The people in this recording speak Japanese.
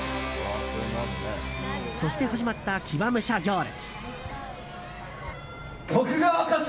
そして始まった騎馬武者行列。